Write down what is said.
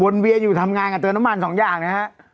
เวียนอยู่ทำงานกับเติมน้ำมันสองอย่างนะฮะ